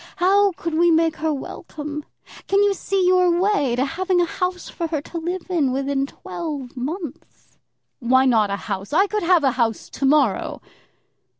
How could we make her welcome? Can you see your way to having a house for her to live in within twelve months?" "Why not a house? I could have a house to morrow."